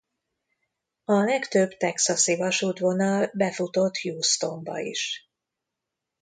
A legtöbb texasi vasútvonal befutott Houstonba is.